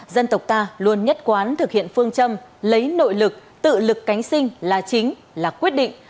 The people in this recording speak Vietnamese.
dân tộc ta luôn nhất quán thực hiện phương châm lấy nội lực tự lực cánh sinh là chính là quyết định